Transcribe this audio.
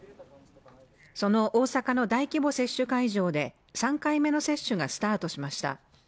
その大阪の大規模接種会場で３回目の接種がスタートしました